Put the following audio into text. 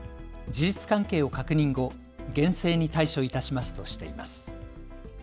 事実関係を確認後、厳正に対処いたしますとしています。